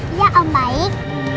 iya om baik